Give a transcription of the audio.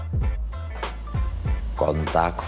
tim marketing saya butuh uang